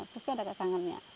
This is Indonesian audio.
terus ada kekangannya